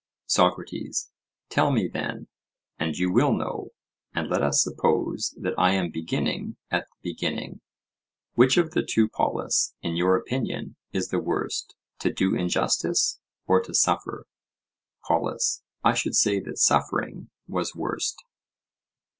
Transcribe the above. SOCRATES: Tell me, then, and you will know, and let us suppose that I am beginning at the beginning: which of the two, Polus, in your opinion, is the worst?—to do injustice or to suffer? POLUS: I should say that suffering was worst.